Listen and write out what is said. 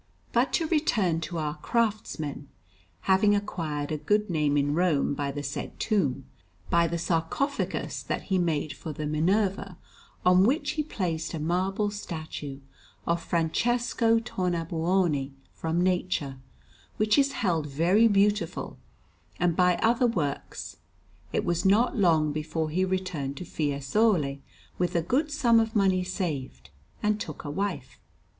But to return to our craftsman; having acquired a good name in Rome by the said tomb, by the sarcophagus that he made for the Minerva, on which he placed a marble statue of Francesco Tornabuoni from nature, which is held very beautiful, and by other works, it was not long before he returned to Fiesole with a good sum of money saved, and took a wife.